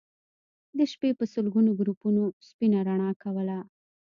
د شپې به سلګونو ګروپونو سپينه رڼا کوله